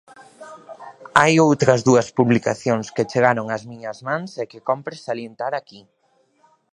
Hai outras dúas publicacións que chegaron ás miñas mans e que compre salientar aquí.